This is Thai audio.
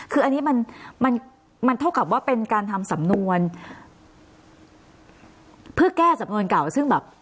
คืออันนี้มันมันเท่ากับว่าเป็นการทำสำนวนเพื่อแก้สำนวนเก่าซึ่งแบบ